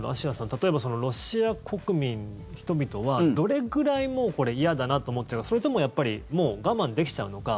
例えばロシア国民、人々はどれくらい嫌だなと思ってるのかそれとももう我慢できちゃうのか